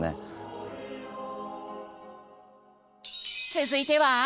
続いては？